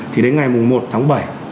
thì đến ngày một tháng bảy